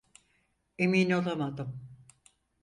Emin olamadım.